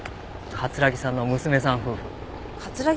桂木さんの娘さん？